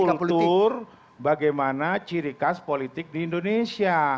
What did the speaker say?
kultur bagaimana ciri khas politik di indonesia